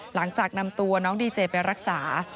หลังจากนำตัวน้องดีเจไปรักษา